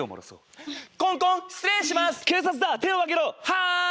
はい！